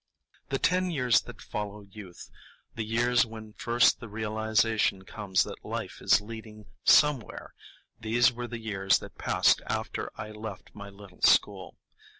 The ten years that follow youth, the years when first the realization comes that life is leading somewhere,—these were the years that passed after I left my little school.